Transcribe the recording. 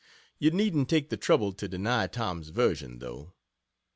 You needn't take the trouble to deny Tom's version, though.